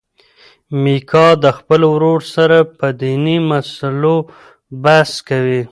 میکا د خپل ورور سره په دیني مسلو بحث کوي.